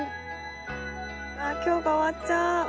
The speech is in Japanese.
今日が終わっちゃう。